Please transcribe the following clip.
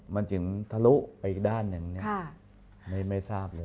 มันถึงทะลุไปอีกด้านหนึ่งไม่ทราบเลย